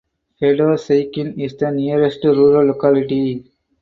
Fedoseykin is the nearest rural locality.